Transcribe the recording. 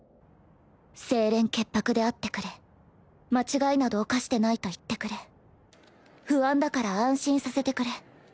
清廉潔白であってくれ間違いなど犯してないと言ってくれ不安だから安心させてくれ。